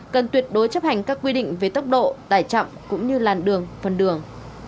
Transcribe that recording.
cần tuyệt đối chấp hành các quy định về tốc độ tải trọng cũng như làn đường phần đường